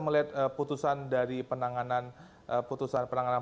melihat putusan dari penanganan